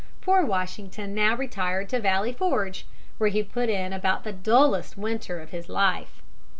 Poor Washington now retired to Valley Forge, where he put in about the dullest winter of his life.